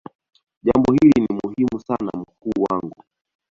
jambo hili ni muhimu sana mkuu wangu